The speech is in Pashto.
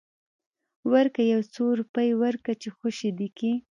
ورکه يو څو روپۍ ورکه چې خوشې دې کي.